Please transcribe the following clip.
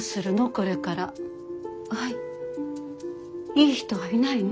いい人はいないの？